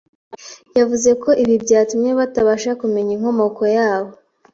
yavuze ko ibi byatumye batabasha kumenya inkomoko yabo.